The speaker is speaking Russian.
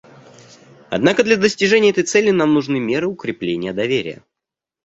Однако для достижения этой цели нам нужны меры укрепления доверия.